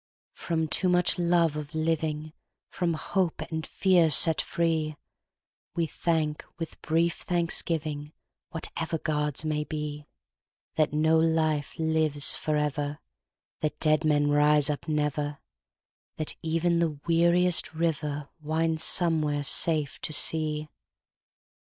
From too much love of living, From hope and fear set free, We thank with brief thanksgivingWhatever gods may beThat no life lives for ever; That dead men rise up never; That even the weariest riverWinds somewhere safe to sea.